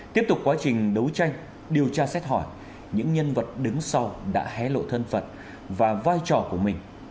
tiếp tục quá trình đấu tranh điều tra xét hỏi những nhân vật đứng sau đã hé lộ thân phận và vai trò của mình